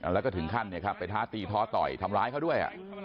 แล้วก็ถึงขั้นไปท้าตีท้อต่อยทำร้ายเขาด้วย